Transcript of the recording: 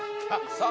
さあ